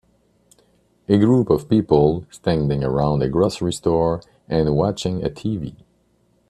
A group of people standing around a grocery store and watching a tv.